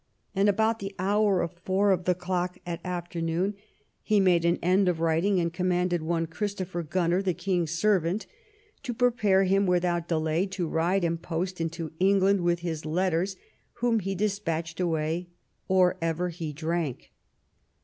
And about the hour of four of the clock, at afternoon, he made an end of writing, and commanded one Christopher Gunner, the king's servant, to prepare him without delay to ride empost into England with his letters, whom he despatched away or ever hedrank.